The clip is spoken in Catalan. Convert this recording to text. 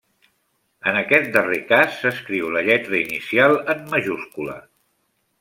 En aquest darrer cas s'escriu la lletra inicial en majúscula.